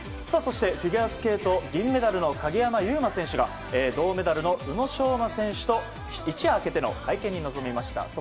そして、フィギュアスケート銀メダルの鍵山優真選手が銅メダルの宇野昌磨選手と一夜明けての会見に臨みました。